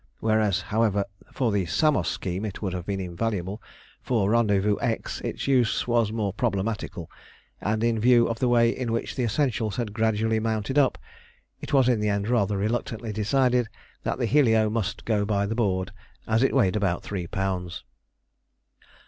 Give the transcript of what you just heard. Whereas, however, for the Samos scheme it would have been invaluable, for Rendezvous X its use was more problematical; and in view of the way in which essentials had gradually mounted up, it was in the end rather reluctantly decided that the helio must go by the board, as it weighed about three pounds.